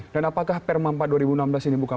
dan apakah perma empat dua ribu enam belas ini bukan